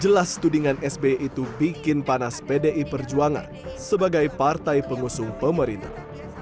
jelas tudingan sbi itu bikin panas pdi perjuangan sebagai partai pengusung pemerintah